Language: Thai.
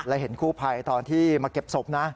และเห็นกู้ภัยตอนที่มาเก็บศพนะ